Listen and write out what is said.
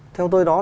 theo tôi đó